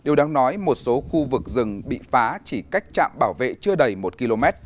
điều đáng nói một số khu vực rừng bị phá chỉ cách trạm bảo vệ chưa đầy một km